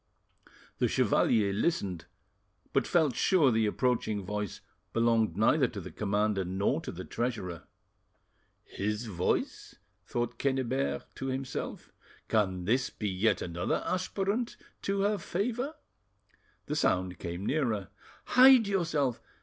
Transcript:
The chevalier listened, but felt sure the approaching voice belonged neither to the commander nor to the treasurer. "'His voice'?" thought Quennebert to himself. "Can this be yet another aspirant to her favour?" The sound came nearer. "Hide yourself!"